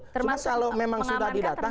cuma kalau memang sudah didatang